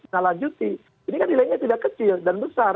nyalah juti ini kan nilainya tidak kecil dan besar